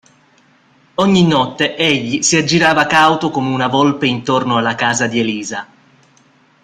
Ogni notte egli si aggirava cauto come una volpe intorno alla casa di Elisa.